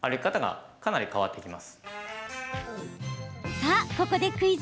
さあ、ここでクイズ。